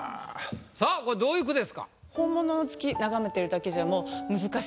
さぁこれどういう句ですか？